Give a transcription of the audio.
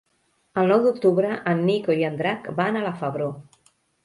El nou d'octubre en Nico i en Drac van a la Febró.